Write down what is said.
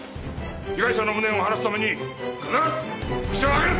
被害者の無念を晴らすために必ずホシを挙げる！